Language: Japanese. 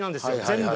全部。